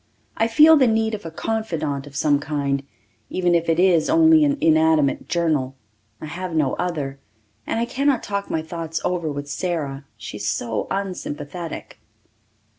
I feel the need of a confidant of some kind, even if it is only an inanimate journal. I have no other. And I cannot talk my thoughts over with Sara she is so unsympathetic.